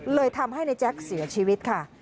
เลยทำให้ในแจ๊คเสียชีวิตค่ะ